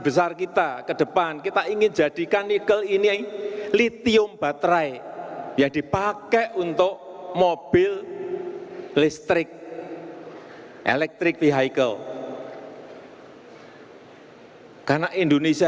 berdaulat dalam bidang politik berdikari di bidang ekonomi